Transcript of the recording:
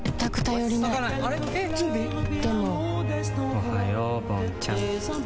おはようぼんちゃん。